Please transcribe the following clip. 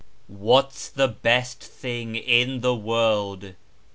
What's the best thing in the world?